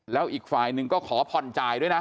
แล้วอีกฝ่ายหนึ่งก็ขอผ่อนจ่ายด้วยนะ